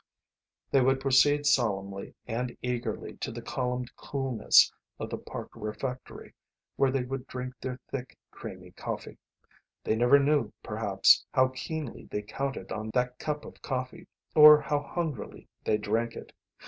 They would proceed solemnly and eagerly to the columned coolness of the park refectory where they would drink their thick, creamy coffee. They never knew, perhaps, how keenly they counted on that cup of coffee, or how hungrily they drank it.